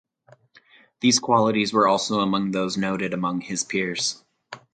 These qualities were also among those noted among his peers.